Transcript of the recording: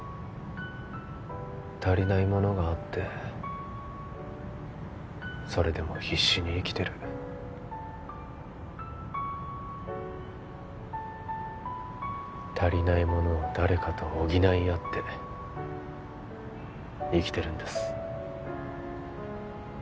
足りないものがあってそれでも必死に生きてる足りないものを誰かと補い合って生きてるんです